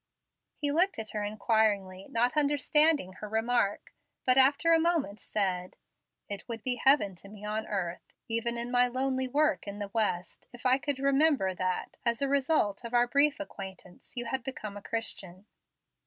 He looked at her inquiringly, not understanding her remark; but after a moment said, "It would be heaven to me on earth, even in my lonely work in the West, if I could remember that, as a result of our brief acquaintance, you had become a Christian."